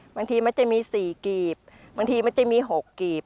บางทีมันจะมี๔กีบบางทีมันจะมี๖กีบ